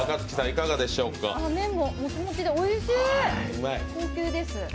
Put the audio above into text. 麺ももちもちでおいしい、高級です。